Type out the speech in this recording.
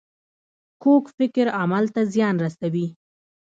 کوږ فکر عمل ته زیان رسوي